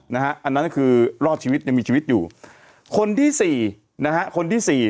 อันนั้นคือรอดชีวิตยังมีชีวิตอยู่คนที่สี่นะฮะคนที่สี่